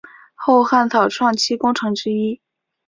后汉草创期功臣之一。